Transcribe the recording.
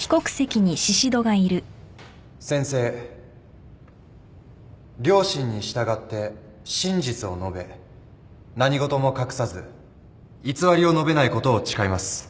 「宣誓良心に従って真実を述べ何事も隠さず偽りを述べないことを誓います」